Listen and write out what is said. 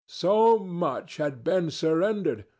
So much had been surrendered!